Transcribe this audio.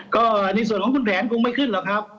ก็ในส่วนของคุณแผนคงไม่ขึ้นหรอกครับ